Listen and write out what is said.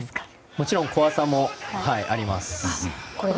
もちろん怖さもあります。